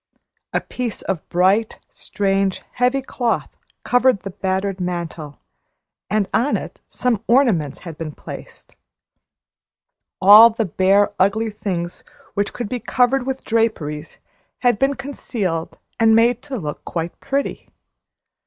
A piece of bright, strange, heavy cloth covered the battered mantel, and on it some ornaments had been placed. All the bare, ugly things which could be covered with draperies had been concealed and made to look quite pretty.